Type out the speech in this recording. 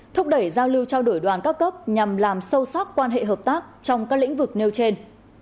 thúc đẩy giao lưu trao đổi đoàn các cấp nhằm làm sâu sắc quan hệ hợp tác trong các lĩnh vực nêu trên